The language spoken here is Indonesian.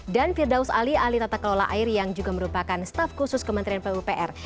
dan firdaus ali ahli tata kelola airi yang juga merupakan staf khusus kementerian pupr